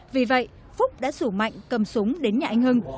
vì vậy phúc đã rủ mạnh cầm súng đến nhà anh hưng